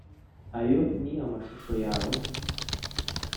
ayo ni amashusho yawe?